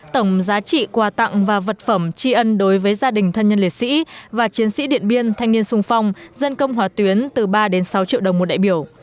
tổng giá trị quà tặng và vật phẩm tri ân đối với gia đình thân nhân liệt sĩ và chiến sĩ điện biên thanh niên sung phong dân công hỏa tuyến từ ba đến sáu triệu đồng một đại biểu